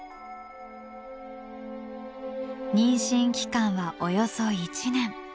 妊娠期間はおよそ１年。